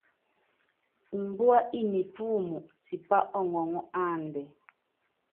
Mbúá i nipúum tipá ɔŋɔŋɔ́ áandɛ́.